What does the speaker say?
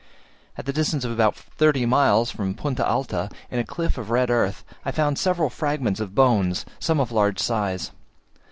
At the distance of about thirty miles from Punta Alta, in a cliff of red earth, I found several fragments of bones, some of large size.